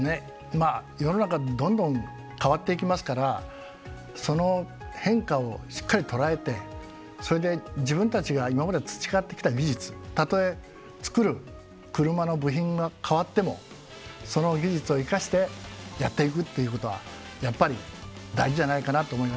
まあ世の中どんどん変わっていきますからその変化をしっかり捉えてそれで自分たちが今まで培ってきた技術たとえ作る車の部品が変わってもその技術を生かしてやっていくっていうことはやっぱり大事じゃないかなと思いますね。